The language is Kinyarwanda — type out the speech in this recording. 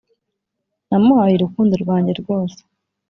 namuhaye urukundo rwanjye rwose.